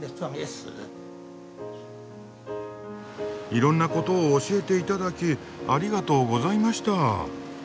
いろんなことを教えていただきありがとうございました。